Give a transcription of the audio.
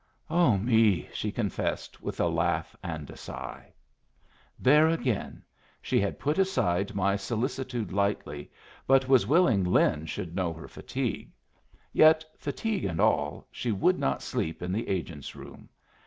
"Oh, me!" she confessed, with a laugh and a sigh. There again! She had put aside my solicitude lightly, but was willing Lin should know her fatigue. Yet, fatigue and all, she would not sleep in the agent's room.